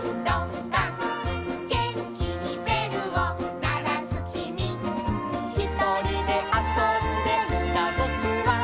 「げんきにべるをならすきみ」「ひとりであそんでいたぼくは」